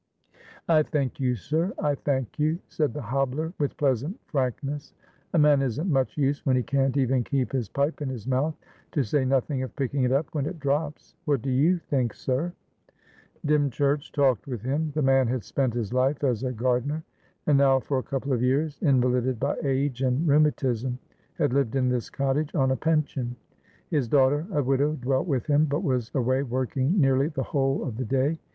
"I thank you, sir, I thank you," said the hobbler, with pleasant frankness. "A man isn't much use when he can't even keep his pipe in his mouth, to say nothing of picking it up when it drops; what do you think, sir?" Dymchurch talked with him. The man had spent his life as a gardener, and now for a couple of years, invalided by age and rheumatism, had lived in this cottage on a pension. His daughter, a widow, dwelt with him, but was away working nearly the whole of the day.